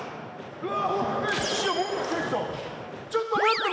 うわ！